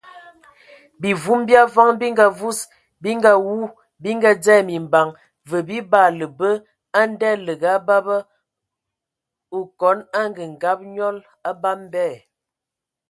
Bimvum bi avɔŋ bi ngavus, bi ngawu, bi ngadzɛ mimbaŋ və bi baala bə ndaləga baba(kon angəngab nẏɔl, abam bɛ).